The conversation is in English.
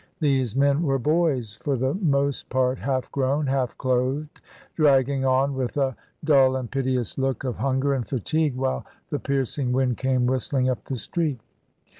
These men were boys, for the most part half grown, half clothed, dragging on with a dull and piteous look of hunger and fatigue, while the piercing wind came whistling up the street.